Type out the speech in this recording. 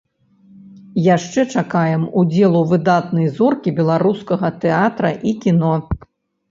Яшчэ чакаем удзелу выдатнай зоркі беларускага тэатра і кіно!